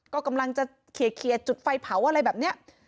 ก็กำลังจะเคลียร์จุดไฟเผาอะไรแบบนี้